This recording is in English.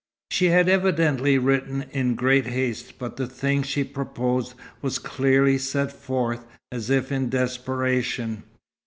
She had evidently written in great haste, but the thing she proposed was clearly set forth, as if in desperation.